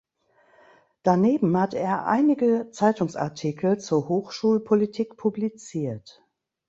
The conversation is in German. Daneben hat er einige Zeitungsartikel zur Hochschulpolitik publiziert.